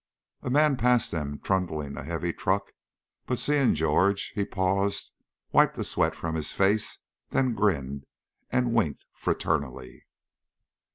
A man passed them trundling a heavy truck, but seeing Big George, he paused, wiped the sweat from his face, then grinned and winked fraternally.